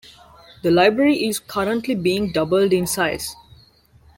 The library is currently being doubled in size.